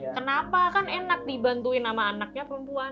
kenapa kan enak dibantuin sama anaknya perempuan